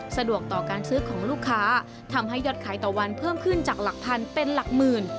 สะดวกต่อการซื้อของลูกค้าทำให้ยอดขายต่อวันเพิ่มขึ้นจากหลักพันเป็นหลักหมื่น